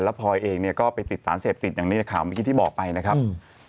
พลอยเองเนี่ยก็ไปติดสารเสพติดอย่างในข่าวเมื่อกี้ที่บอกไปนะครับ